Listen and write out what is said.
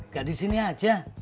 gak disini aja